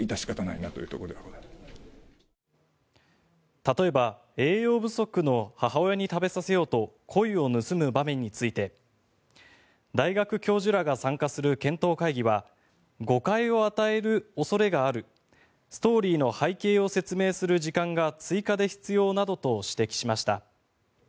例えば栄養不足の母親に食べさせようとコイを盗む場面について大学教授らが参加する検討会議は誤解を与える恐れがあるストーリーの背景を説明する時間が追加で必要などと指摘しました。